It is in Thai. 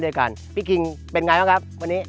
ด้วยกันพี่คิงเป็นไงบ้างครับวันนี้